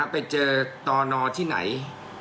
ไปเจอต่อนอที่ไหน